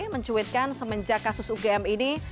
mencuitkan semenjak kasus ugm ini